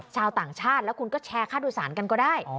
ชาวต่างชาติแล้วคุณก็แชร์ค่าโดยสารกันก็ได้